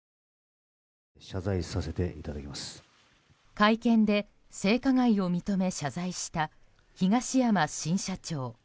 会見で性加害を認め、謝罪した東山新社長。